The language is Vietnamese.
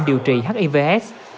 điều trị hạt bệnh